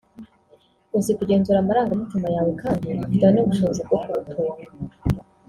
uzi kugenzura amarangamutima yawe kandi ufite n’ubushobozi bwo kurutunga